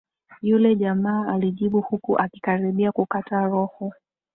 Yule jamaa alijibu huku akikaribia kukata roho